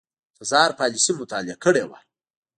تزار پالیسي مطالعه کړې وه.